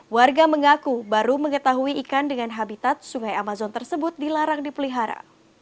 warga mengaku baru mengetahui ikan dengan habitat sungai amazon tersebut dilarang dipelihara